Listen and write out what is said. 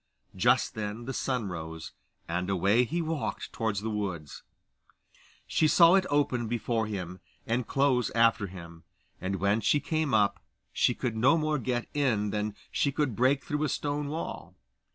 Just then the sun rose, and away he walked towards the wood. She saw it open before him and close after him, and when she came up, she could no more get in than she could break through a stone wall.